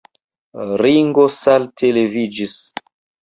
Ringo salte leviĝis.